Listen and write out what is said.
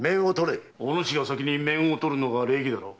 お主が先に面を取るのが礼儀だろう。